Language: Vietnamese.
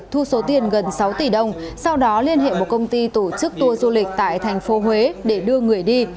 thu số tiền gần sáu tỷ đồng sau đó liên hệ một công ty tổ chức tour du lịch tại thành phố huế để đưa người đi